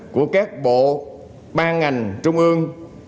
của các bộ ban ngành trung ương